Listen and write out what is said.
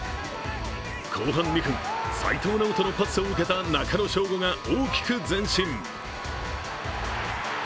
後半２分、齋藤直人のパスを受けた中野将伍が大きく前進。